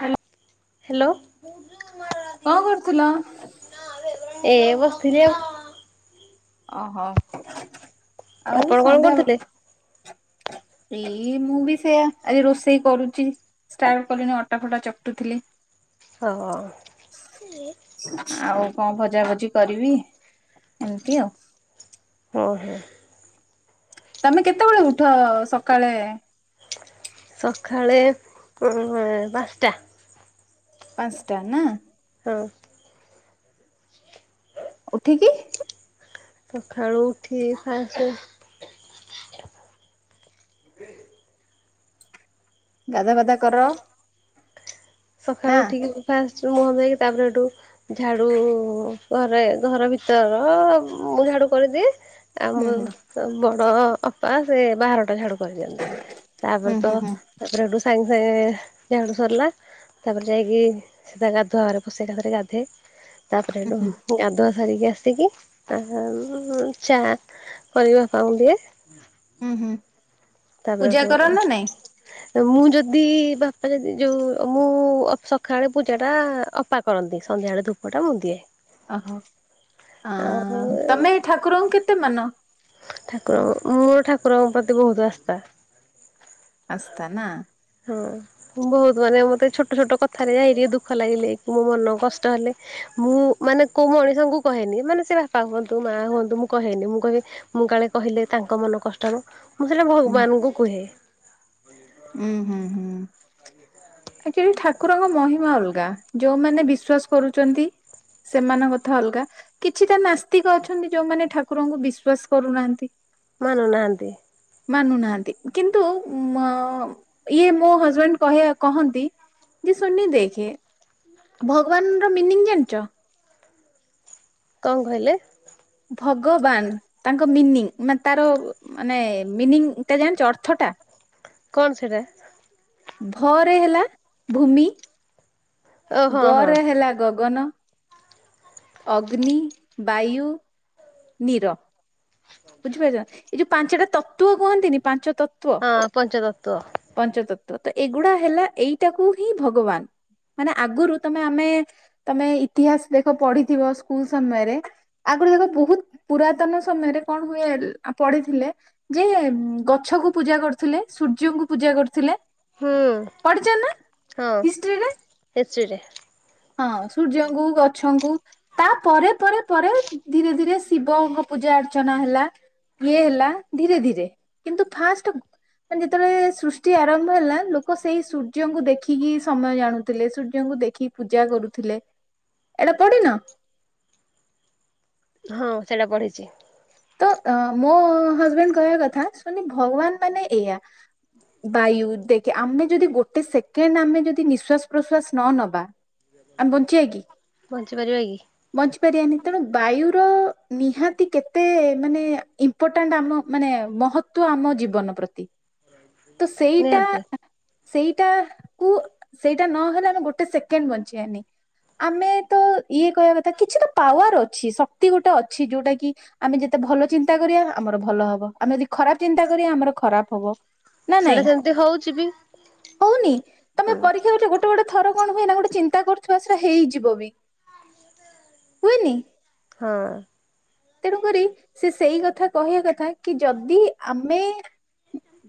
Hello hello. କଣ କରୁଥିଲ? ଏ ବସିଥିଲି ଆଉ। ଓହୋ । ଆଉ ଆପଣ କଣ ସନ୍ଧ୍ୟା କରୁଥିଲେ? ବେଳୁ ଏଇ, ମୁଁ ବି ସେୟା ଆଜି ରୋଷେଇ କରୁଛି । ଷ୍ଟାଟ କଲିନି ଅଟା ଫଟା ଚକଟୁଥିଲି। ହଁ। ଆଉ କଣ ଭଜାଭଜି କରିବି ।ଏମିତି ଆଉ ଓହୋ। ତମେ କେତେବେଳେ ଉଠ ସକାଳେ? ସକାଳେ ଏ ପାଞ୍ଚଟା। ପାଞ୍ଚଟା ନା। ହଁ। ଉଠିକି ସଖାଳୁ ଉଠି ଫାଷ୍ଟେ ଗାଧା ବାଧା କର। ନା ସକାଳୁ ଉଠିକି ମୁଁ ଫାଷ୍ଟ୍ ମୁହଁ ଧୋଇକି ତାପରେ ଏଠୁ ଝାଡୁ ଘରେ ଘର ଭିତର ଉ ବା ଝାଡୁ କରିଦିଏ ଆଉ ହୁଁ ମୁଁ ହୁଁ ବଡ ଅପା ସେ ବାହାରଟା ଝାଡୁ କ କରିଦିଅନ୍ତି। ତାପରେ ହୁଁ ତ ହୁଁ ହୁଁ ତାପରେ ସେଠୁ ସାଙ୍ଗେ ସାଙ୍ଗେ ଝାଡୁ ସରିଲା। ତାପରେ ଯାଇକି ସେ ତା ଗାଧୁଆଘରେ ପସେ । ତାପରେ ଗାଧାଏ ତାପରେ ହୁଁ ଏଠୁ ଗାଧୁଆ ଧରିକି ଆସିକି ଆ ଚା କରି ବାପାଙ୍କୁ ଦିଏ। ହୁଁ ହୁଁ, ତାପରେ ପୂଜା ହେଠୁ କର ନା ନାଇଁ? ମୁଁ ଯଦି ବାପା ଯଦି ଯୋଉ ମୁଁ ସକାଳେ ପୂଜା ଟା ଅପା କରନ୍ତି। ସନ୍ଧ୍ୟାବେଳେ ଧୂପଟା ମୁଁ ଦିଏ। ଅହ ଅ ଆଉ ତମେ ଠାକୁରଙ୍କୁ କେତେ ମାନ? ଠାକୁରଙ୍କ ମୋ ଠାକୁରଙ୍କ ପ୍ରତି ବହୁତ ଆସ୍ଥା। ଆସ୍ତା ନା। ହଁ ବହୁତ ମାନେ, ମତେ ଛୋଟ ଛୋଟ କଥାରେ ଏ ଦୁଃଖ ଲାଗିଲେ କି ମୋ ମନ କଷ୍ଟ ହେଲେ ମୁଁ ମାନେ କୋଉ ମଣିଷଙ୍କୁ କହେନି ମାନେ ସେ ବାପା ହୁଅନ୍ତୁ, ମା ହୁଅନ୍ତୁ ମୁଁ କହେନି ମୁଁ କହିବି ମୁଁ କାଳେ କହିଲେ ତାଙ୍କ ମନ କଷ୍ଟହେବ ମୁଁ ସେଇଟା ଉଁ ଭଗବାନଙ୍କୁ କୁହେ। ହୁଁ ହୁଁ ହୁଁ। ଆକଚୁଆଲି ଠାକୁରଙ୍କ ମହିମା ଅଲଗା, ଯୋଉମାନେ ବିଶ୍ଵାସ କରୁଛନ୍ତି। ସେମାନଙ୍କ କଥା ଅଲଗା, କିଛିଟା ନାସ୍ତିକ ଅଛନ୍ତି ଯୋଉମାନେ ଠାକୁରଙ୍କୁ ବିଶ୍ଵାସ କରୁନାହାନ୍ତି। ମାନୁନାହାନ୍ତି। ମାନୁନାହାନ୍ତି କିନ୍ତୁ ଇଏ ମୋ ହଜବେଣ୍ଡ କହିବା କ କହନ୍ତି ଯେ ସୁନି ଦେଖେ ଭଗବାନର ମିନିଂ ଜାଣିଛ? କଣ କହିଲେ? ଭଗବାନ ତାଙ୍କ ମିନିଂ ମାନେ ତାର ମାନେ ମିନିଂ ଜାଣିଛ ଅର୍ଥ ଟା? କଣ ସେଟା? ଭ ରେ ହେଲା ଭୂମି। ଓ ହଁ ଗ ହଁ ରେ ହେଲା ଗଗନ। ଅଗ୍ନି ବାୟୁ ନୀର। ବୁଝିପାରୁଛ ଏଇ ଯୋଉ ପାଞ୍ଚଟା ତତ୍ତ୍ୱ କହନ୍ତିନି ପାଞ୍ଚ ତତ୍ତ୍ ହଁ ପଞ୍ଚତତ୍ତ୍ୱ। ତ ତ ଏଗୁଡା ହେଲା ଏଇଟାକୁ ହିଁ ଭଗବାନ। ମାନେ ଆଗରୁ ତମେ ଆମେ ତମେ ଇତିହାସ ଦେଖ ପଢିଥିବ ସ୍କୁଲ ସମୟରେ ଆ ଆଗରୁ ଦେଖ ବହୁତ ପୁରାତନ ସମୟରେ କଣ ହୁଏ ପଢିଥିଲେ, ଯେ ଗଛକୁ ପୂଜା କରୁଥିଲେ, ସୂର୍ଯ୍ୟଙ୍କୁ ପୂଜା କରୁଥିଲେ। ହୁଁ ପଢିଛ ନା ହଁ ହିଷ୍ଟ୍ରିରେ। ହିଷ୍ଟ୍ରିରେ ହଁ ସୂର୍ଯ୍ୟଙ୍କୁ, ଗଛଙ୍କୁ ତା ପରେ ପରେ ପରେ ଧୀରେ ଧୀରେ ଶିବଙ୍କ ପୂଜା ଅର୍ଚ ରଚନା ହେଲା ଇଏ ହେଲା, ଧୀରେ ଧୀରେ କିନ୍ତୁ ଫାଷ୍ଟ ମାନେ ଯେତେବେଳେ ସୃଷ୍ଟି ଆରମ୍ଭ ହେଲା, ଲୋକ ସେଇ ସୂର୍ଯ୍ୟଙ୍କୁ ଦେଖିକି ସମୟ ଜାଣୁଥିଲେ। ସୂର୍ଯ୍ୟଙ୍କୁ ଦେଖି ପୂଜା କରୁଥିଲେ ଏଇଟା ପଢିନ । ହଁ ସେଇଟା ପଢ଼ିଛି। ମୋ ହଜବେଣ୍ଡ କହିବା କଥା ଶୁନ ଭଗବାନ ମାନେ ଏଇଆ। ବାୟୁ ଦେଖେ ଆମେ ଯଦି ଗୋଟେ ସେକେଣ୍ଡ ଆମେ ଯଦି ନିଶ୍ଵାସ ପ୍ରଶ୍ଵାସ ନ ନବା। ଆମେ ବଞ୍ଚିବା କିି? ପହଞ୍ଚି ପାରିବା କି? ତେଣୁ ବାୟୁର ନିହାତି କେ ଏତେ ମାନେ ଇମ୍ପୋର୍ଟାଣ୍ଟ ଆମ ମାନେ ମହତ୍ୱ ଆମ ଜୀବନ ପ୍ରତି। ତ ସେଇଟା ନିହାତି ସେଇଟା କୁ ସେଇଟା ନହେଲେ ଆମେ ଗୋଟେ ସେକେଣ୍ଡ ବଞ୍ଚିବନି। ଆମେ ତ ଇଏ କହିବା କଥା କିଛି ତ ପାୱାର ଅଛି। ଶକ୍ତି ଗୋଟେ ଅଛି। ଯୋଉଟା କି ଆମେ ଯେତେ ଭଲ ଚିନ୍ତା କରିବା ଆମର ଭଲ ହବ ଆମେ ଯଦି ଖରାପ ଚିନ୍ତା କରିବା ଆମର ଖରାପ ହବ। ନା ସେଇଟା ନାଇଁ ସେମିତି ହଉଛି ବି ହଉନି ତମେ ହୁଁ ପରୀକ୍ଷା ଗ ଗୋଟେ ଗୋଟେ ଥର କଣ ହୁଏ ନା ଗୋଟେ ଚିନ୍ତା କରୁଥିବା ସା ହେଇଯିବ ବି ହୁଏନି। ହଁ। ତେଣୁକରି ସେ ସେଇ କଥା କହିବା କଥା କି ଯଦି ଆମେ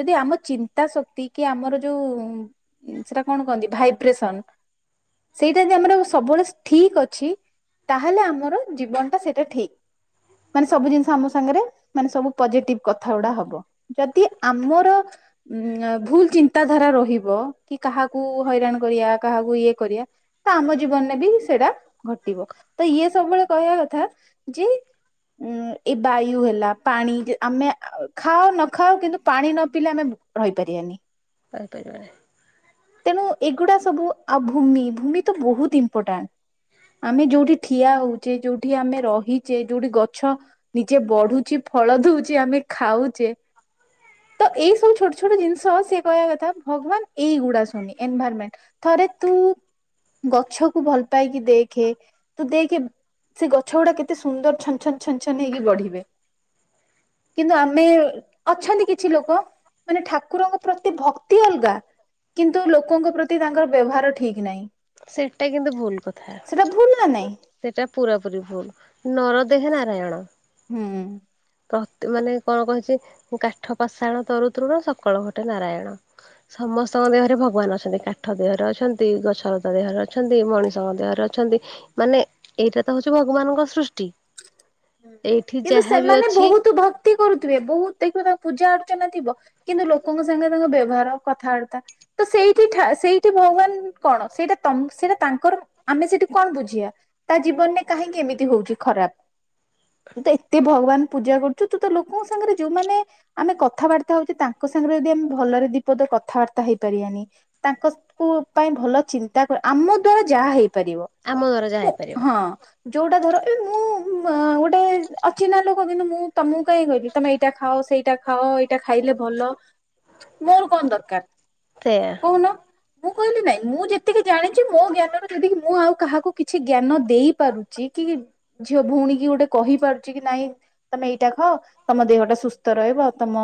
ଯଦି ଆମ ଚିନ୍ତା ଶକ୍ତି କି ଆମର ଯୋଉ ସେଟା କଣ କହନ୍ତି ଭାଇବ୍ରେସନ। ସେଇଟା ଯଦି ଆମର ସବୁବେଳେ ଠିକ ଅଛି। ତାହେଲେ ଆମର ଜୀବନ ଟା ସେଇଟା ଠିକ୍। ମାନେ ସବୁ ଜିନିଷ ଆମ ସାଙ୍ଗରେ ମାନେ ସବୁ ପଜିଟିଭ କଥା ଗୁଡା ହବ ଯଦି ଆମର ଉଁ ଭୁଲ ଚିନ୍ତାଧାରା ରହିବ କି କାହାକୁ ହଇରାଣ କରିବା କାହାକୁ ଇଏ କରିବା। ତ ଆମ ଜୀବନରେ ବି ସେଇଟା ଘଟିବ ତ ଇଏ ସବୁବେଳେ କହିବା କଥା ଯେ ଉଁ ଏଇ ବାୟୁ ହେଲା ପାଣି ଆମେ ଖାଉ ନଖାଉ କିନ୍ତୁ ପାଣି ନ ପିଇଲେ ଆମେ ରହିପାରିବନି। କହିପାରିବନି। ତେଣୁ ଏଗୁଡା ସବୁ ଆଉ ଭୂମି ଭୂମି ତ ବହୁତ ଇମ୍ପୋର୍ଟାଣ୍ଟ। ଆମେ ଯୋଉଠି ଠିଆ ହଉଛେ। ଯୋଉଠି ଆମେ ରହିଛେ। ଯୋଉଠି ଗଛ ନିଜେ ବଢୁଛି। ଫଳ ଦଉଛି ଆମେ ଖାଉଛେ। ତ ଏଇ ସବୁ ଛୋଟ ଛୋଟ ଜିନିଷ ସି କହିବା କଥା ଭଗବାନ ଏଇଗୁଡା ଏନଭାରମେଣ୍ଟ୍ ଥରେ ତୁ ଗଛକୁ ଭଲ ପାଇକି ଦେଖେ ତ ଦେଖେ ସେ ଗଛ ଗୁଡା କେତେ ସୁନ୍ଦର ଛଛନ ଛଛନ ହେଇକି ବଢିବେ। କିନ୍ତୁ ଆମେ ଅଛନ୍ତି କିଛି ଲୋକ ମାନେ ଠାକୁରଙ୍କ ପ୍ରତି ଭକ୍ତି ଅଲଗା। କିନ୍ତୁ ଲୋକଙ୍କ ପ୍ରତି ତାଙ୍କର ବ୍ୟବହାର ଠିକ ନାହିଁ। ସେଟା କିନ୍ତୁ ଭୁଲ୍ କଥା। ସେଟା ଭୁଲ ନା ନାଇଁ ସେଟା ପୁରା ପୁରି ଭୁଲ୍। ନରଦେହେ ନାରାୟଣ। ହୁଁ। ତତ୍ ମାନେ କଣ କହୁଛି। କାଠ ପଷାଣ ତରୁ ତରୁର ସକାଳୁ ଘଟେ ନାରାୟଣ। ସମସ୍ତଙ୍କ ଦେହରେ ଭଗବାନ ଅଛନ୍ତି। କାଠ ଦେହରେ ଅଛନ୍ତି। ଗଛଲତା ଦେହରେ ଅଛନ୍ତି। ମଣିଷଙ୍କ ଦେହରେ ଅଛନ୍ତି। ମାନେ ଏଇଟା ତ ହଉଛି ଭଗବାନଙ୍କ ସୃଷ୍ଟି। ହୁଁ ଏଇଠି କିନ୍ତୁ ଯାହାବି ସେମାନେ ଅଛି ବହୁତ ଭକ୍ତି କରୁଥିବେ ବହୁତ ଦେଖିବା ତା ପୂଜା ଅର୍ଚ୍ଚନା ଥିବ କିନ୍ତୁ ଲୋକଙ୍କ ସାଙ୍ଗେ ତାଙ୍କ ବ୍ୟବହାର କଥାବାର୍ତ୍ତା ତ ସେଇଠି ସେଇଠି ଭଗବାନ କଣ ସେଇଟା ସେଇଟା ତାଙ୍କର ଆମେ ସେଇଠୁ କଣ ବୁଝିବା ତା ଜୀବନରେ କାହିଁକି ଏମିତି ହଉଛି ଖରାପ। ତୁ ତ ଏତେ ଭଗବାନ ପୂଜା କରୁଛୁ ତୁ ତ ଲୋକଙ୍କ ସାଙ୍ଗରେ ଯୋଉମାନେ ଆମେ କଥାବାର୍ତ୍ତା ହଉଛେ ତାଙ୍କ ସାଙ୍ଗରେ ଯଦି ଭଲରେ ବିପଦ କଥାବାର୍ତ୍ତା ହେଇପାରିବାନି ତାଙ୍କ ପାଇଁ ଭଲ ଚିନ୍ତା ଆମ ଦଵାର ଯାହା ହେଇପାରିବ ଆମ ଦ୍ଵାରା ଯାହା ହେଇପାରିବ ହଁ ଯୋଉଟା ଧର ଆଉ ଗୋଟେ ଅଛି ନା ଲୋକ କିନ୍ତୁ ମୁଁ ତମକୁ କାହିଁ କହିଲି ତମେ ଏଇଟା ଖାଅ। ସେଇଟା ଖାଅ ଏଇଟା ଖାଇଲେ ଭଲ। ମୋର କଣ ଦରକାର ସେଇୟା। କହୁନ? ମୁଁ କହିଲି ନାଇଁ ମୁଁ ଯେତିକି ଜାଣିଛି ମୋ ଜ୍ଞାନ ର ଯଦି ମୁଁ ଆଉ କାହାକୁ କିଛି ଜ୍ଞାନ ଦେଇପାରୁଛି କି-କି ଝିଅ ଭଉଣୀ କିଏ ଗୋଟେ କହିପାରୁଛି କି ନାଇଁ ତମେ ଏଇଟା ଖାଅ ତମ ଦେହଟା ସୁସ୍ଥ ରହିବ ତମ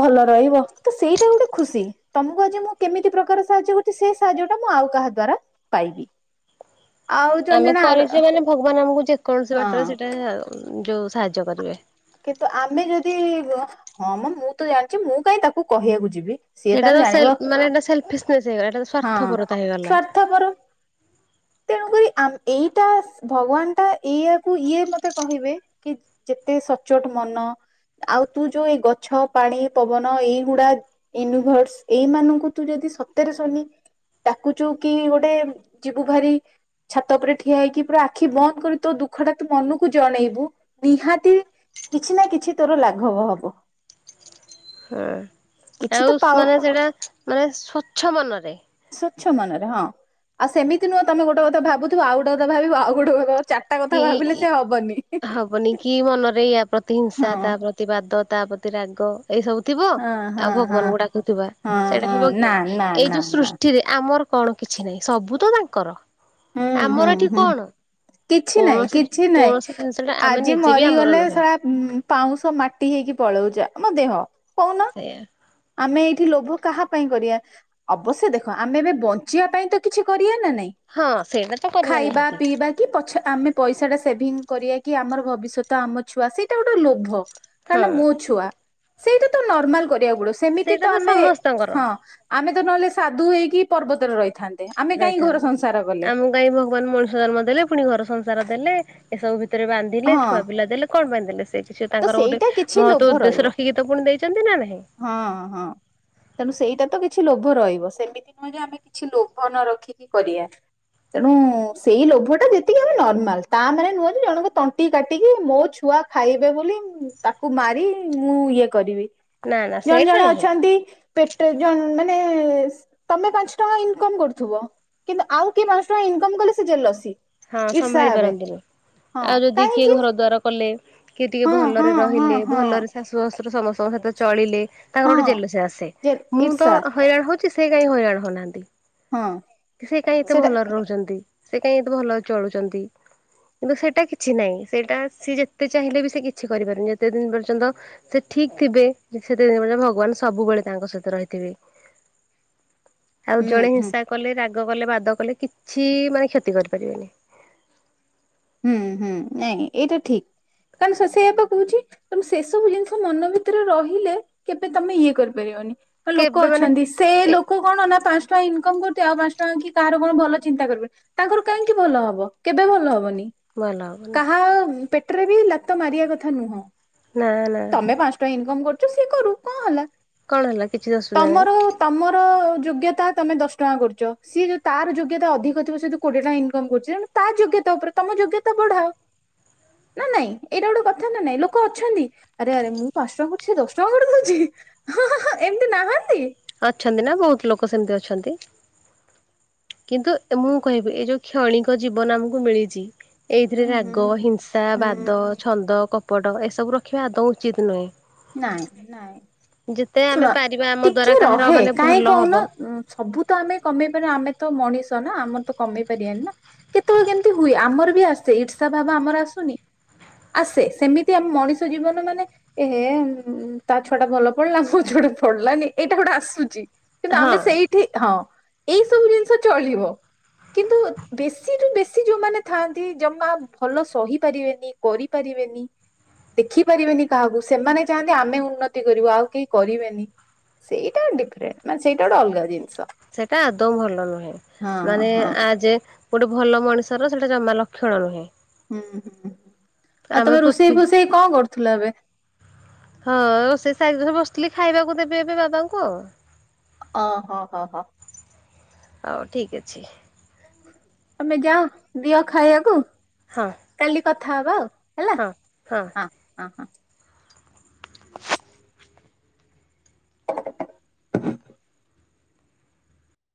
ଭଲ ରହିବ ତ ସେଇଟା ଗୋଟେ ଖୁସି। ତମକୁ ଆଜି ମୁଁ କେମିତି ପ୍ରକାର ସାହାଯ୍ୟ କରୁଛି ସେ ସାହାଯ୍ୟ ଟା ମୁଁ ଆଉ କାହା ଦ୍ଵାରା ପାଇବି। ଆଉ ଜଣେ ଆମେ ଜଣେ ଆର କରିଛେ ମାନେ ଭଗବାନ ଆମକୁ ଯେକୌଣସି ବାଟରେ ହଁ ସେଇଟା ଯୋଉ ସାହାଯ୍ୟ କରିବେ। କିନ୍ତୁ ଆମେ ଯଦି ହଁ ମ ମୁଁ ତ ଜାଣିଛି ମୁଁ କାଇଁ ତାକୁ କହିବାକୁ ଯିବି ସିଏ ସେଇଟା ତାର ତ ଜାଣିବ ସେଲ୍ ମାନେ ଏଟା ସେଲଫିଶ [inaudible] ହେଇଗଲା ଏଇଟା ତ ହଁ ସ୍ୱାର୍ଥପରତା ହେଇଗଲା। ତେଣୁ କର୍ ରି ଆମ୍ ଏଇଟା ଭଗବାନ ଟା ଏଇଆକୁ ଇଏ ମତେ କହିବେ କି ଯେତେ ସଚୋଟ ମନ ଆଉ ତୁ ଯୋଉ ଏଇ ଗଛ ପାଣି ପବନ ଏଇଗୁଡା ୟୁନିଭର୍ସ ଏଇ ମାନଙ୍କୁ ତୁ ଯଦି ସତରେ ଶନି ଡାକୁଚୁ କି ଗୋଟେ ଯିବୁ ଭାରି ଛାତ ଉପରେ ଠିଆ ହେଇକି ପୁରା ଆଖି ବନ୍ଦ କରି ତୋ ଦୁଃଖ ଟା ତୁ ମନକୁ ଜଣେଇବୁ ନିହାତି କିଛି ନା କିଛି ତୋର ଲାଘବ ହବ। ହୁଁ କିଛି ତ ଆଉ ସ୍ ପାଉ ମାନେ ସେଟା ମାନେ ସ୍ଵଚ୍ଛ ମନରେ ସ୍ଵଚ୍ଛ ମନରେ ହଁ । ଆଉ ସେମିତି ନୁହଁ ତମେ ଗୋଟେ କଥା ଭାବୁଥିବ ଆଉ ଗୋଟେ କଥା ଭାବିବ ଆଉ ଗୋଟେ କଥା ଚାରିଟା କଥା କି ଭାବିଲେ ସେ ହବନି। ହବନି କି ମନରେ ଇୟା ପ୍ରତ୍ ତି ହିଂସା, ହଁ ତା ପ୍ରତି ବାଦ, ତା ପ୍ରତି ରାଗ ଏଇ ସବୁ ଥିବ ହଁ ହଁ ଆଉ ହଁ ଭଗବାନଙ୍କୁ ଡାକୁଥିବା ହଁ ସେଇଟା ହଁ ହବ ନା କି ଆଉ ନା ଏଇ ନା ଯୋଉ ନା ସୃଷ୍ଟିରେ ଆମର କଣ କିଛି ନାହିଁ ସବୁ ତ ତାଙ୍କର। ହୁଁ ହୁଁ ଆମର ଏଠି ହୁଁ କଣ? କେ କିଛି ନାଇଁ କୌଣସି କିଛି ନାଇଁ କୌଣସି ଜିନିଷଟା ଆମେ ଆଜି ନିଜେ ବି ଆମର ମରିଗଲେ ନୁହେଁ ଶଳା ପାଉଁଶ ମାଟି ହେଇକି ପଳ ଉଛେ ଆମ ଦେହ କହୁନ ସେଇଆ। ଆମେ ଏଠି ଲୋଭ କାହା ପାଇଁ କରିବା ଅବଶ୍ୟ ଦେଖ ଆମେ ଏବେ ବଞ୍ଚିବା ପାଇଁ ତ କିଛି କରିଆ ନା ନାଇଁ ହଁ ସେଇଟା ତ କରିବା ଖାଇବା ନିହାତି ପିଇବା କି ପଛେ ଆମେ ପଇସାଟା ସେଭିଙ୍ଗ କରିବା କି ଆମର ଭବିଷ୍ୟତ ଆମ ଛୁଆ ସେଇଟା ଗୋଟେ ଲୋଭ କାରଣ ହଁ ନା ମୋ ଛୁଆ ସେଇଟା ତ ନର୍ମାଲ କରିବାକୁ ଗୁଡ ସେମିତି ସେଇଟା ତ ଆମେ ସମସ୍ତଙ୍କର ହଁ ଆମେ ତ ନହେଲେ ସାଧୁ ହେଇକି ପର୍ବତରେ ରହିଥାନ୍ ନ୍ତେ। ଆମେ କାହିଁ ଘର ରହିଥାନ୍ତା। ସଂସ ଆମକୁ କାହିଁକ ଭଗବାନ ମଣିଷ ଜନ୍ମ ଦେଲେ ପୁଣି ଘର ସଂସାର ଦେଲେ ଏସବୁ ଭିତ୍ ହଁ ତ ସେଇଟା କିଛି ଲୋଭ ରହିବ [unintelligible] ହଁ ହଁ ତେଣୁ ସେଇଟା ତ କି ଛି ଲୋଭ ରହିବ ସେମିତି ନୁହେଁ ଯେ ଆମେ କିଛି ଲୋଭ ନ ରଖିକି କରିଆ। ତେଣୁ ସେଇ ଲୋଭ ଟା ଯେତିକି ଆମେ ନର୍ମାଲ ତା ମାନେ ନୁହଁ ଯେ ଜଣକ ତଣ୍ଟି କାଟିକି ମୋ ଛୁଆ ଆ ଖାଇବେ ବୋଲି ମ୍ ତାକୁ ମାରି ମୁଁ ଇଏ କରିବି। ନା ନା ଜଣ ସେଇଟା ଜଣେ ନୁହେଁ ଅଛନ୍ତି ପେଟ ଜନ୍ ମାନେ ନେ ତମେ ପାଞ୍ଚ ଟଙ୍କା ଇନକମ କରୁଥିବ। କିନ୍ତୁ ଆଉ କିଏ ପାଞ୍ଚ ଟଙ୍କା ଇନକମ କଲେ ସେ ଜେଲସି। ହଁ ଇର୍ଷା ସମ୍ଭାଳି ହେବେ ପାରନ୍ତିନି। ହଁ ଆଉ ଯଦି କିଏ କାହିଁକି ଘର ଦ୍ୱାର କଲେ କିଏ ଟିକେ ହଁ ହଁ ଭଲରେ ହଁ ରହିଲେ ହଁ ଭଲରେ ଶାଶୁ ଶଶୁର ସମସ୍ତଙ୍କ ସହିତ ଚଳିଲେ ତାଙ୍କର ଗୋଟେ ହଁ ଜେଲସି ଆସେ। ଯେ ମୁଁ ତ ଇର୍ଷା ହଇରାଣ ହଉଛି ସେ କାହିଁ ହଇରାଣ ହଉନାହାନ୍ତି। ହଁ [inaudible] ସେ କାହିଁ ଏତେ ସେଟା ଭଲରେ ରହୁଛନ୍ତି। ସେ କାହିଁ ଏତେ ଭଲ ଚଳୁଛନ୍ତି। କିନ୍ତୁ ସେଇଟା କିଛି ନାହିଁ ସେଇଟା ସିଏ ଯେତେ ଚାହିଁଲେ ବି ସେ କିଛି କରିପାରୁନି। ଯେତେ ଦିନ ପର୍ଯ୍ୟନ୍ତ ସେ ଠିକ ଥିବେ [unintelligible] ଭଗବାନ ସବୁବେଳେ ତାଙ୍କ ସହିତ ରହିଥିବେ। ଆଉ ହୁଁ ଜଣେ ହୁଁ ହିଂସା କଲେ ରାଗ କଲେ ବାଦ କଲେ କିଛି ମାନେ କ୍ଷତି କରି ପାରିବନି। [inaudible] ହୁଁ ହୁଁ ନାଇ ଏଇଟା ଠିକ୍। କାରଣ ସ ସେୟା ତ କହୁଛି ତମ ସେସବୁ ଜିନିଷ ମନ ଭିତରେ ରହିଲେ କେବେ ତମେ ଇଏ କରିପାରିବନି। ଲୋକ କେବେ ମାନେ ଅଛନ୍ତି ସେ ଏ ଲୋକ କଣ ନା ପାଞ୍ଚ ଟଙ୍କା ଇନକମ କରୁ ଛି ଆଉ ପାଞ୍ଚ ଟଙ୍କା କି କାହାର କଣ ଭଲ ଚିନ୍ତା କରିବେନି ତାଙ୍କର କାହିଁକି ଭଲ ହବ କେବେ ଭଲ ହବନି। ଭଲ ହବନି କାହା ପେଟରେ ବି ଲାତ ମାରିବା କଥା ନୁହଁ। ନା ନା ତମେ ପାଞ୍ଚ ଟଙ୍କା ଇନକମ କରୁଛ ସିଏ କରୁ କଣ ହେଲା? କଣ ହେଲା କିଛି ଅସୁବିଧା ନାହିଁ। ତମର ତମର ଯୋଗ୍ୟତା ତମେ ଦଶ ଟଙ୍କା କରୁଛ ସିଏ ଯଡି ତାର ଯୋଗ୍ୟତା ଅଧିକ ଥିବ ସେୁ କୋଟି ଟଙ୍କ ଇନକମ୍ କରୁଛି ତଣୁ ତା ଯୋଗ୍ୟତା ଉପରେ ତମ ଯୋଗ୍ୟତା ବଢାଅ। ନା ନାଇଁ ଏଇଟା ଗୋଟେ କଥା ନା ନାଇଁ ଲୋକ ଅଛନ୍ତି। ଆରେ ଆରେ ମୁଁ ପାଞ୍ଚ ଟଙ୍କା କରୁଛି ଦଶ ଟଙ୍କା କରିଦଉଛି। ହ ହ ଏମତି ନାହାନ୍ତି? ଅଛନ୍ତି ନା ବହୁତ ଲୋକ ସେମିତି ଅଛନ୍ତି। କିନ୍ତୁ ମୁଁ କହିବି ଏଇ ଯୋଉ କ୍ଷଣିକ ଜୀବନ ଆମକୁ ମିଳିଛି ହୁଁ ଏଇଥିରେ ହୁଁ ରାଗ ହିଂସା ବାଦ ହୁଁ ଛନ୍ଦ କପ୍ ପଡ଼ ଏସବୁ ରଖିବା ଦୌ ଉଚିତ୍ ନୁହେଁ। ନାଇଁ ନାଇଁ ଯେତେ [inaudible] ଆମେ ଶୁଣ ପାରିବା ଆମ ଦ୍ଵାରା ଟିକେ କାହାର ରହେ ମାନେ କାହିଁ ଭଲ ହବ କହୁନ ସବୁ ତ ଆମେ କମେଇ ପାରିବ ଆମେ ତ ମଣିଷ ଆମର ତ କମେଇ ପାରିବାନି ନା କେତେବେଳେ କେମିତି ହୁଏ ଆମର ବି ଆସେ ଇର୍ଷା ଭାବ ଆମର ଆସୁନି? ଆସେ ସେମିତି ଆମ ମଣିଷ ଜୀବନ ମାନେ ହେ ତା ଛୁଆ ଟା ଭଲ ପଡିଲା ମୋ ଛୁଆଟେ ପଡିଲାନି ଏଇଟା ଗୋଟେ ଆସୁଛି। କିନ୍ତୁ ହଁ ଆମେ ସେଇଠି ଥ ହଁ ଏଇ ସବୁ ଜିନିଷ ଚଳିବ। କିନ୍ତୁ ବେଶୀରୁୁ ବେଶୀ ଯୋଉମାନେ ଥାଆନ୍ତି ଜମା ଭଲ ସହି ପାରିବେନି କରିପାରିବେ ଦେଖିପାରିବେନି କାହାକୁ। ସେମାନେ ଚାହାନ୍ତି ଆମେ ଉନ୍ନତି କରିବୁ ଆଉ କେହି କରିବେନି। ସେଇଟା ଡିଫରେଣ୍ଟ ମାନେ ସେଇଟା ଗୋଟେ ଅଲଗା ଜିନିଷ। ସେଟା ଆଦୌ ଭଲ ନୁହେଁ ହଁ ମାନେ ହଁ ଆ ଯେ ଗୋଟେ ଭଲ ମଣିଷର ସେଇଟା ଜମା ଲକ୍ଷଣ ନୁହେଁ। ହୁଁ। ଆଉ ଆମେ ତମେ ପୃଥି ରୋଷେଇ ଫୋଷେଇ କଣ କରୁଥିଲ ଏବେ। [inaudible] ହେଲେ ଖାଇବାକୁ ଦେବି ଏବେ ବାବାଙ୍କୁ ଆଉ। ହ ହଁ ହଁ ହଁ। ହଉ ଠିକ ଅଛି। ତମେ ଯାଅ ଦିଅ ଖାଇବାକୁ। ହଁ। କାଲି କଥା ହବା ଆଉ ହେଲା ହଁ ହଁ ହଁ। [inaudible] [inaudible]